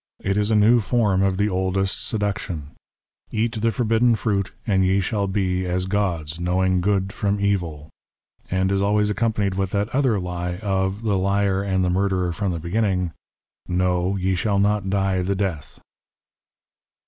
It is a new form of the oldest seduction :" eat the forbidden fruit and ye shall be as gods knowing good from evil," and is always accompanied with that other lie, of " the liar and the murderer from the beginning," " No, ye shall not die the death."